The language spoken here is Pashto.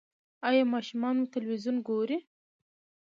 ایا ماشومان مو تلویزیون ګوري؟